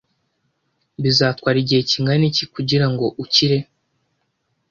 Bizatwara igihe kingana iki kugirango ukire?